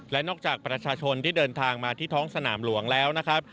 และนอกจากประชาชนที่เดินทางมาที่ท้องสนามหลวงแล้วนะครับ